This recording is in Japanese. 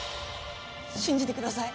信じてください。